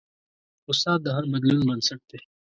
استاد د هر بدلون بنسټ دی.